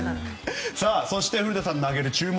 そして、古田さんの挙げる注目